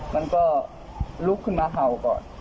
มันก็ลุกขึ้นมาเห่าก่อน